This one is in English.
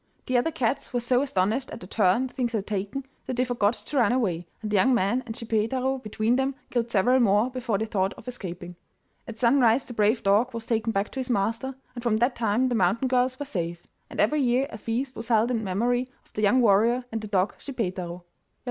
The other cats were so astonished at the turn things had taken that they forgot to run away, and the young man and Schippeitaro between them killed several more before they thought of escaping. At sunrise the brave dog was taken back to his master, and from that time the mountain girls were safe, and every year a feast was held in memory of the young warrior and the dog Schippeitaro.